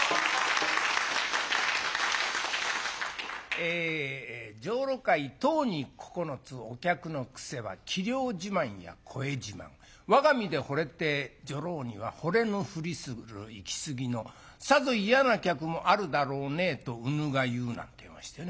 え女郎買い十に九つお客の癖は器量自慢や声自慢我が身でほれて女郎にはほれぬふりするゆきすぎのさぞ嫌な客もあるだろうねとうぬが言うなっていいましてね。